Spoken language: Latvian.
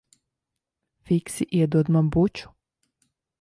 Fiksi iedod man buču.